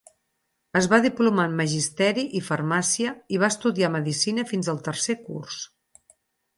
Es va diplomar en magisteri i farmàcia i va estudiar medicina fins al tercer curs.